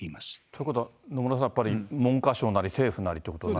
ということは、野村さん、やっぱり文科省なり政府なりってことに？